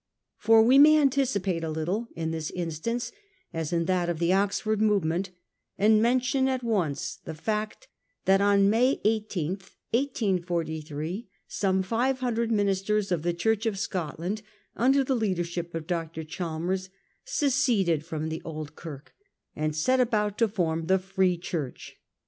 For we may anticipate a little, in this instance as in th^t of the Oxford movement, and mention at once the fact that on May 18, 1843, some five hundred ministers of the Church of Scotland, under the leadership of Dr. Chalmers, seceded from the old Kirk and set about to form the Free Church.